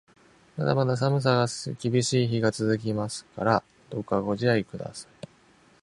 まだまだ寒さが厳しい日が続きますから、どうかご自愛ください。